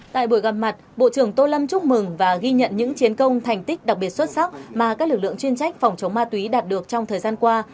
tại buổi gặp mặt bộ trưởng tô lâm chúc mừng và ghi nhận những chiến công thành tích đặc biệt xuất sắc mà các lực lượng chuyên trách phòng chống ma túy đạt được trong thời gian qua